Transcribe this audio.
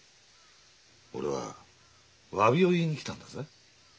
俺は詫びを言いに来たんだぜ。